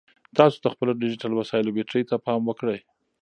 تاسو د خپلو ډیجیټل وسایلو بیټرۍ ته پام وکړئ.